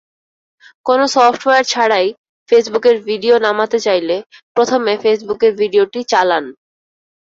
কোনো সফটওয়্যার ছাড়াই ফেসবুকের ভিডিও নামাতে চাইলে প্রথমে ফেসবুকের ভিডিওটি চালান।